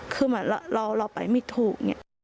คือเราไปไม่ถูก